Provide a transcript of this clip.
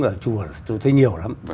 ở chùa tôi thấy nhiều lắm